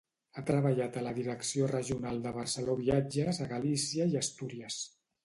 Ha treballat a la Direcció Regional de Barceló Viatges a Galícia i Astúries.